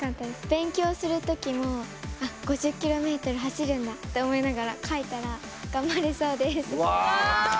勉強する時もあっ５０ｋｍ走るんだって思いながら書いたら頑張れそうです。